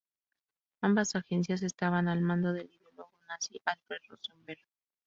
Ambas agencias estaban al mando del ideólogo nazi Alfred Rosenberg.